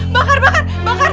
bakar bakar bakar